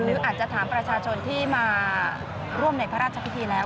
หรืออาจจะถามประชาชนที่มาร่วมในพระราชพิธีแล้ว